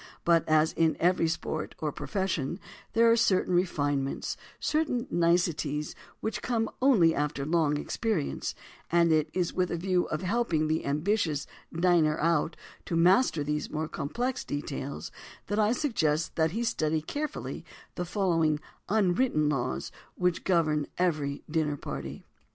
But, as in every sport or profession, there are certain refinements—certain niceties which come only after long experience—and it is with a view of helping the ambitious diner out to master these more complex details, that I suggest that he study carefully the following "unwritten laws" which govern every dinner party.